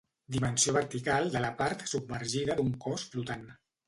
Dimensió vertical de la part submergida d'un cos flotant.